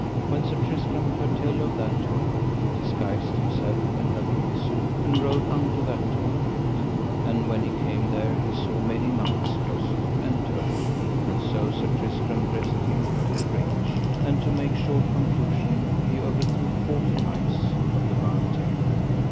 When Sir Tristram heard tell of that tournament he disguised himself, and La Beale Isoud, and rode unto that tournament. And when he came there he saw many knights joust and tourney; and so Sir Tristram dressed him to the range, and to make short conclusion, he overthrew fourteen knights of the Round Table.